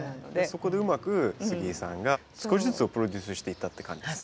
そこでうまく杉井さんが少しずつプロデュースしていったっていう感じです？